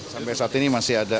sampai saat ini masih ada